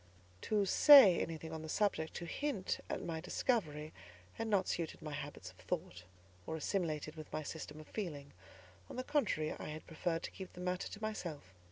To say anything on the subject, to hint at my discovery, had not suited my habits of thought, or assimilated with my system of feeling. On the contrary, I had preferred to keep the matter to myself.